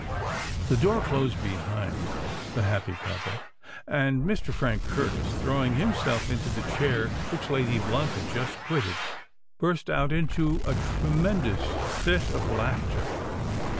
The door closed behind the "happy couple;" and Mr. Frank Curtis, throwing himself into the chair which Lady Blunt had just quitted, burst out into a tremendous fit of laughter.